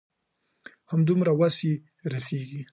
همدومره وس يې رسيږي.